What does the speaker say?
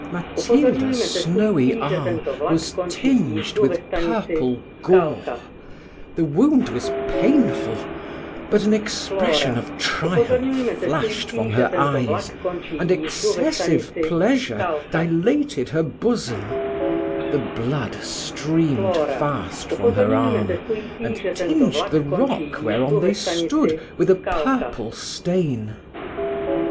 Matilda's snowy arm was tinged with purple gore: the wound was painful, but an expression of triumph flashed from her eyes, and excessive pleasure dilated her bosom: the blood streamed fast from her arm, and tinged the rock whereon they stood with a purple stain.